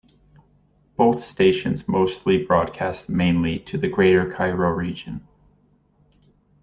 Both stations mostly broadcast mainly to the Greater Cairo region.